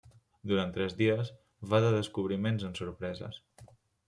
Durant tres dies, va de descobriments en sorpreses.